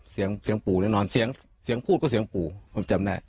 เสียงปู่เนาะนอนเสียงพูดก็เสียงปู่คงจำได้